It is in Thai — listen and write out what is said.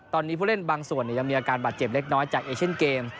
ตอนนี้ผู้เล่นบางส่วนยังมีอาการบาดเจ็บเล็กน้อยจากเอเชนเกม